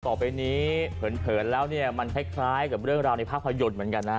ต่อไปนี้เผินแล้วเนี่ยมันคล้ายกับเรื่องราวในภาพยนตร์เหมือนกันนะ